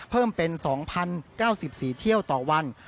เพิ่มเป็น๒๐๙๔เที่ยวต่อวัน